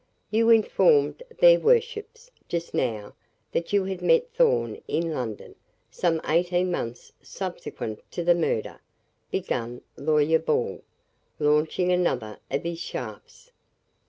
"You informed their worships, just now, that you had met Thorn in London, some eighteen months subsequent to the murder," began Lawyer Ball, launching another of his shafts.